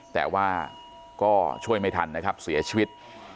แต่ว่าก็ช่วยไม่ทันนะครับเสียชีวิต